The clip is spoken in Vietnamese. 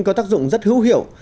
có tác dụng rất hữu hiệu